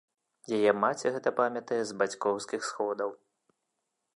Яе маці гэта памятае з бацькоўскіх сходаў.